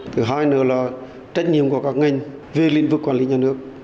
thứ hai nữa là trách nhiệm của các ngành về lĩnh vực quản lý nhà nước